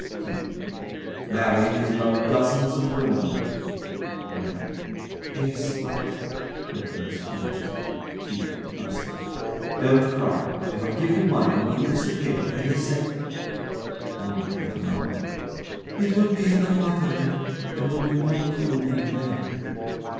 KEITH. Larry has loved dozens of women. WANDA. Yes, but [Her face quivers]. KEITH. [Brusquely] Don't cry! If I give you money, will you disappear, for his sake? WANDA. [With a moan] It will be in the water, then. There will be no cruel men there.